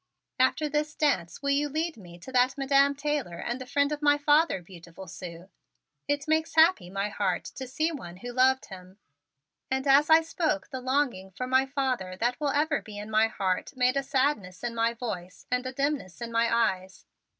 "After this dance with you will you lead me to that Madam Taylor, the friend of my father, beautiful Sue?" I asked of her. "It makes happy my heart to see one who loved him." And as I spoke, the longing for my father that will ever be in my heart made a sadness in my voice and a dimness in my eyes.